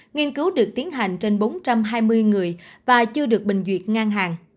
nghiên cứu được tiến hành trên bốn trăm hai mươi người và chưa được bình duyệt ngang hàng